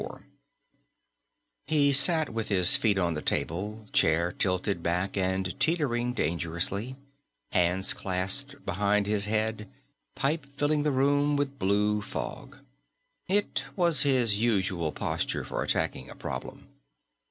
4 He sat with his feet on the table, chair tilted back and teetering dangerously, hands clasped behind his head, pipe filling the room with blue fog. It was his usual posture for attacking a problem.